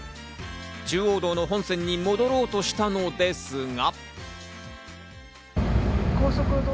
中央道の本線に戻ろうとしたのですが。